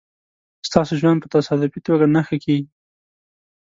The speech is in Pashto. ستاسو ژوند په تصادفي توګه نه ښه کېږي.